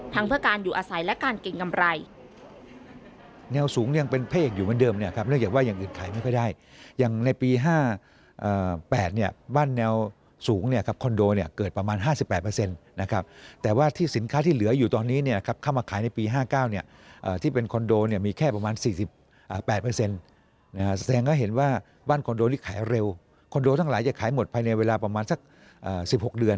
เพื่อการอยู่อาศัยและการเก่งกำไร